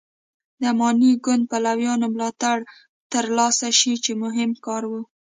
د اماني ګوند پلویانو ملاتړ تر لاسه شي چې مهم کار و.